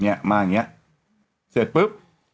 มาอย่างเงี้ยเสร็จปุ๊บ